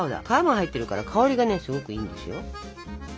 皮も入ってるから香りがねすごくいいんですよ。